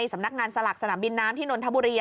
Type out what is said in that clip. สำนักงานสลักสนามบินน้ำที่นนทบุรี